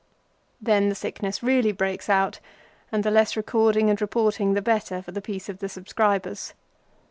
Then the sickness really breaks out, and the less recording and reporting the better for the peace of the subscribers.